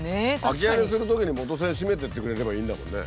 空き家にするときに元栓しめてってくれればいいんだもんね。